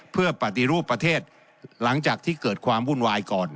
เพื่อปฏิรูปประเทศหลังจากที่เกิดความวุ่นวายก่อน